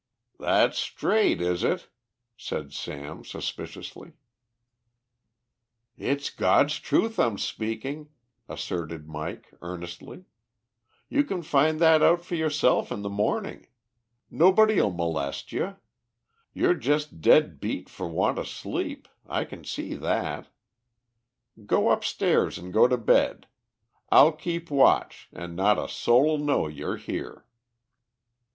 "That's straight, is it?" said Sam suspiciously. "It's God's truth I'm speaking," asserted Mike earnestly. "You can find that out for yourself in the morning. Nobody'll molest ye. Yer jus' dead beat for want o' sleep, I can see that. Go upstairs and go to bed. I'll keep watch, and not a soul'll know you're here."